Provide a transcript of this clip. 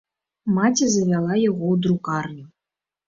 Маці завяла яго ў друкарню.